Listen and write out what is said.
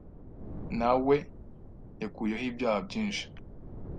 Na we Yakuyeho ibyaha byinshi